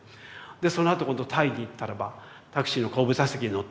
でそのあと今度タイに行ったらばタクシーの後部座席に乗ってて。